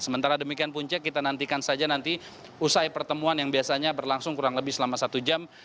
sementara demikian punca kita nantikan saja nanti usai pertemuan yang biasanya berlangsung kurang lebih selama satu jam